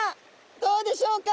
どうでしょうか？